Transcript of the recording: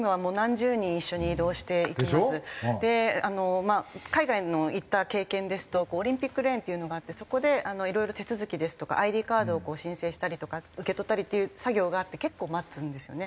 であのまあ海外の行った経験ですとオリンピックレーンっていうのがあってそこでいろいろ手続きですとかＩＤカードを申請したりとか受け取ったりっていう作業があって結構待つんですよね。